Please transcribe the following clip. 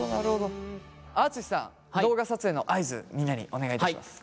あああつしさん動画撮影の合図みんなにお願いいたします。